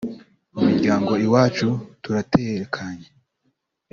mu miryango iwacu turatekanye